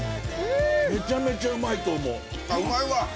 めちゃめちゃうまいと思う。